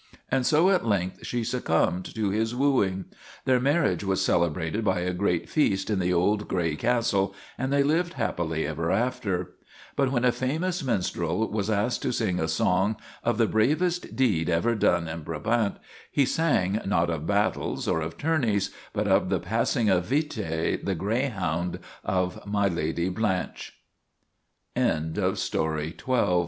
And so at length she succumbed to his wooing. Their marriage was celebrated by a great feast in the old gray castle, and they lived happily ever after. But when a famous minstrel was asked to sing a song of the bravest deed ever done in Brabant, he sang not of battles or of tourneys, but of the passing of